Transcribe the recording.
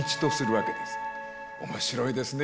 面白いですね。